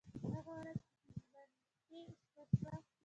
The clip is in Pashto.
هغه ونه چې په پخلنخي کې شنه شوه